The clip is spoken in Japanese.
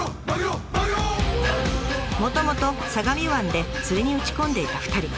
もともと相模湾で釣りに打ち込んでいた２人。